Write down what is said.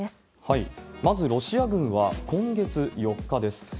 まず、ロシア軍は今月４日です。